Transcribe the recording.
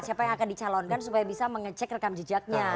siapa yang akan dicalonkan supaya bisa mengecek rekam jejaknya